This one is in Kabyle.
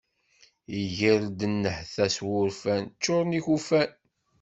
Iger-d nnehta s wurfan, ččuṛen ikufan.